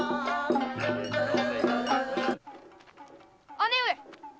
姉上！